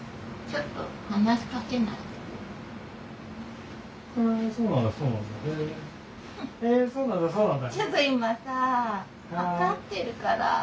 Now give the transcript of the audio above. ちょっと今さ量ってるから。